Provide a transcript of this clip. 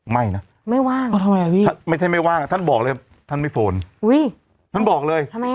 ไม่นะไม่ได้ไม่ว่างท่านบอกเลยท่านไม่โฟนท่านบอกเลยท่านบอกเลย